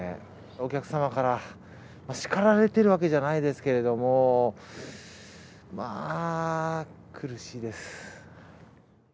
お客様から、叱られてるわけじゃないですけれども、まあ、苦しいです。